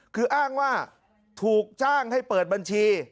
คืออ้างว่าถูกจ้างให้เปิดบัญชี